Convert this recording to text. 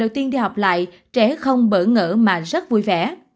tại trẻ không bỡ ngỡ mà rất vui vẻ